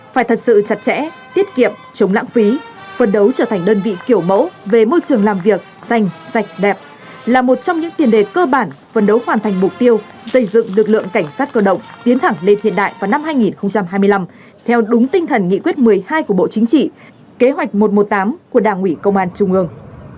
phải thật sự chặt chẽ tiết kiệm chống lãng phí phân đấu trở thành đơn vị kiểu mẫu về môi trường làm việc xanh sạch đẹp là một trong những tiền đề cơ bản phân đấu hoàn thành mục tiêu xây dựng lực lượng cảnh sát cơ động tiến thẳng lên hiện đại vào năm hai nghìn hai mươi năm theo đúng tinh thần nghị quyết một mươi hai của bộ chính trị kế hoạch một trăm một mươi tám của đảng ủy công an trung ương